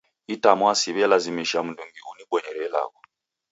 Itamwaa siwe'lazimisha mndungi uniboyere ilagho